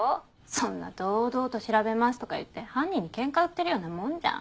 そんな堂々と調べますとか言って犯人にケンカ売ってるようなもんじゃん。